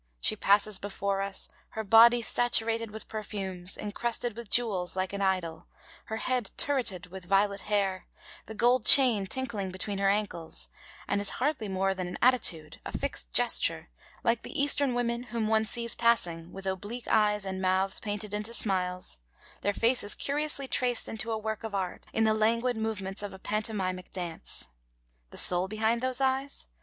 She passes before us, 'her body saturated with perfumes,' encrusted with jewels like an idol, her head turreted with violet hair, the gold chain tinkling between her ankles; and is hardly more than an attitude, a fixed gesture, like the Eastern women whom one sees passing, with oblique eyes and mouths painted into smiles, their faces curiously traced into a work of art, in the languid movements of a pantomimic dance. The soul behind those eyes?